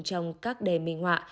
trong các đề minh họa